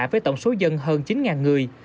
với tổng số dân hơn chín người